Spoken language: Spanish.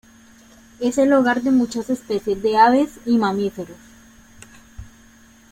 Es el hogar de muchas especies de aves y mamíferos.